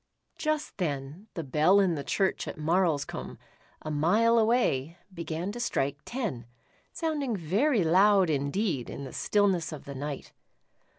Just then, the bell in the church at Marlscombe, a mile away, began to strike ten, sounding very loud indeed in the stillness of the night.